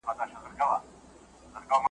چي د اوښکو په ګودر کي د ګرېوان کیسه کومه .